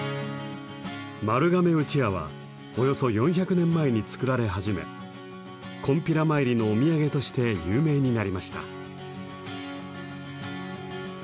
丸亀うちわはおよそ４００年前に作られ始めこんぴら参りのお土産として有名になりました。